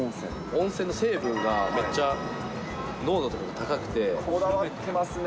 温泉の成分が、めっちゃ濃度こだわってますね。